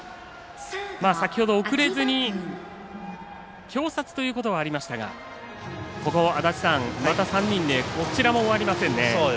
先ほど、送れずに挟殺ということはありましたがここは、また３人でこちらも終わりません。